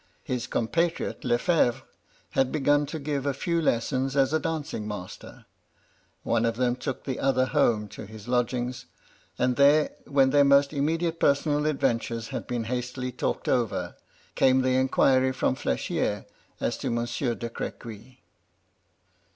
His compatriot, Le Febvre, had begun to give a few lessons as a dancing master. One of them took the other home to his lodgings ; and there, when their most immediate personal adventures had been hastily talked over, came the inquiry from Flechier as to Monsieur de Cr^juy.